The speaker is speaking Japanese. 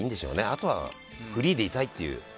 あとはフリーでいたいっていう。